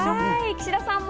岸田さんも。